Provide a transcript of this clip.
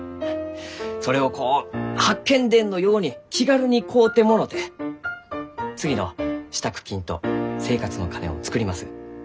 それをこう「八犬伝」のように気軽に買うてもろて次の支度金と生活の金を作ります。